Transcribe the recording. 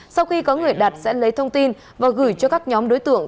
sau khi có người đặt sẽ lấy thông tin và gửi cho các nhóm đối tượng